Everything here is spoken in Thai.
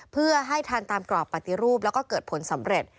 เพื่อให้ทันตามกรอบปฏิรูปแล้วก็เกิดผลสำเร็จ